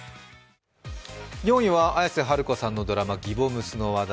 ４位は綾瀬はるかさんのドラマ「ぎぼむす」の話題。